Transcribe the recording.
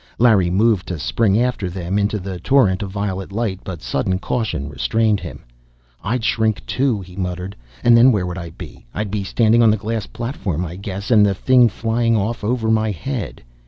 Larry moved to spring after them, into the torrent of violet light. But sudden caution restrained him. "I'd shrink, too!" he muttered. "And then where would I be? I'd be standing on the glass platform, I guess. And the thing flying off over my head!"